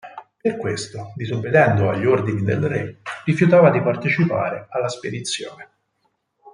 Per questo, disobbedendo agli ordini del re, rifiutava di partecipare alla spedizione.